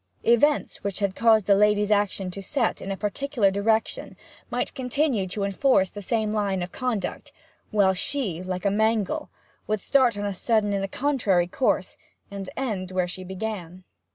Events which had caused a lady's action to set in a particular direction might continue to enforce the same line of conduct, while she, like a mangle, would start on a sudden in a contrary course, and end where she began.